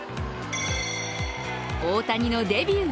大谷のデビュー